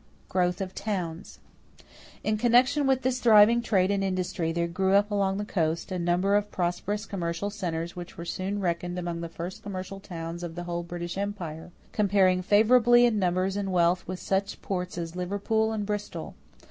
=Growth of Towns.= In connection with this thriving trade and industry there grew up along the coast a number of prosperous commercial centers which were soon reckoned among the first commercial towns of the whole British empire, comparing favorably in numbers and wealth with such ports as Liverpool and Bristol.